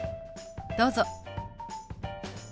どうぞ。